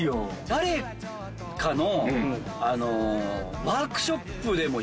誰かの。